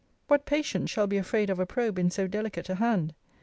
What patient shall be afraid of a probe in so delicate a hand?